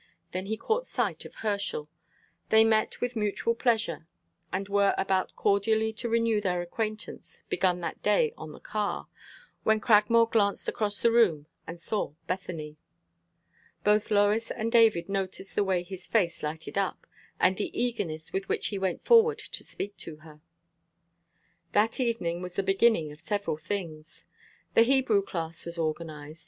Then he caught sight of Herschel. They met with mutual pleasure, and were about cordially to renew their acquaintance, begun that day on the car, when Cragmore glanced across the room and saw Bethany. Both Lois and David noticed the way his face lighted up, and the eagerness with which he went forward to speak to her. That evening was the beginning of several things. The Hebrew class was organized.